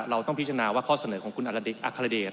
เราต้องพิจารณาว่าข้อเสนอของคุณอัครเดช